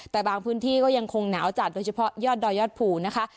แต่บางพื้นที่ก็ยังคงหนาวจัดโดยเฉพาะยอดดอยยอดภูนะคะ